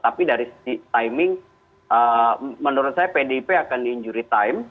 tapi dari timing menurut saya pdip akan injury time